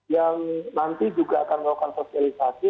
yang nanti juga akan melakukan sosialisasi